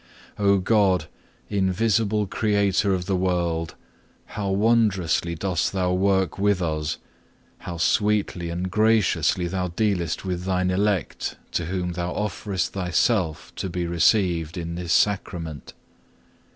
10. O God, invisible Creator of the world, how wondrously dost Thou work with us, how sweetly and graciously Thou dealest with Thine elect, to whom Thou offerest Thyself to be received in this Sacrament!